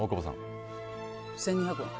１２００円。